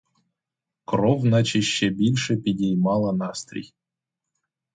Кров наче ще більше підіймала настрій.